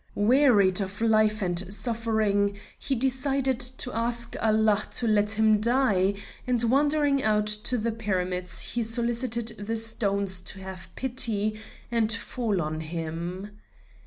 Wearied of life and suffering, he decided to ask Allah to let him die, and wandering out to the Pyramids he solicited the stones to have pity and fall on him.